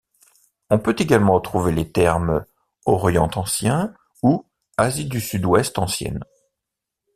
On peut également trouver les termes Orient ancien ou Asie du Sud-Ouest ancienne.